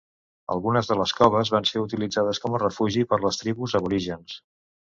Algunes de les coves van ser utilitzades com a refugi per les tribus aborígens.